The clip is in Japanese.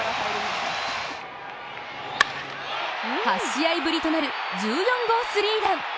８試合ぶりとなる１４号スリーラン。